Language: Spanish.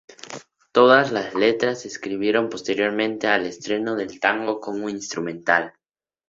Todas las letras se escribieron posteriormente al estreno del tango como instrumental.